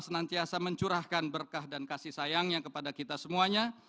senantiasa mencurahkan berkah dan kasih sayangnya kepada kita semuanya